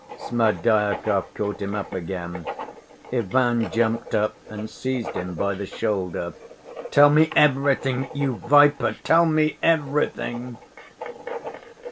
Smerdyakov caught him up again. Ivan jumped up and seized him by the shoulder. "Tell me everything, you viper! Tell me everything!"